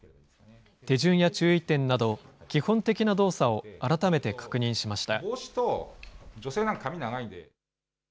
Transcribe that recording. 手順や注意点など、基本的な動作を改めて確認しました。